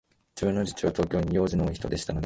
自分の父は、東京に用事の多いひとでしたので、